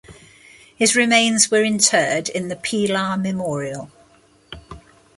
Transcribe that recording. His remains were interred in the Pilar Memorial.